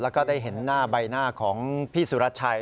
แล้วก็ได้เห็นหน้าใบหน้าของพี่สุรชัย